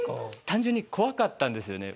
単純に怖かったんですよね